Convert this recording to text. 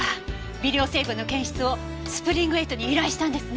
微量成分の検出をスプリング８に依頼したんですね？